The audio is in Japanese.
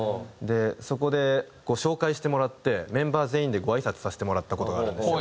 そこで紹介してもらってメンバー全員でごあいさつさせてもらった事があるんですよ。